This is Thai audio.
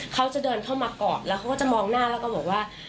เขาจะเดินเข้ามากอดแล้วเขาก็จะมองหน้าแล้วก็บอกว่า